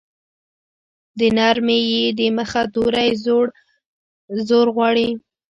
د نرمې ی د مخه توری زور غواړي.